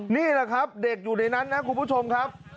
นี่แหละครับเด็กอยู่ในนั้นนะคุณผู้ชมครับ